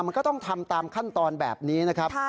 มันก็ต้องทำตามขั้นตอนแบบนี้นะครับ